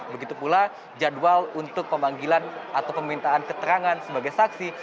begitu pula jadwal untuk pemanggilan atau permintaan keterangan sebagai saksi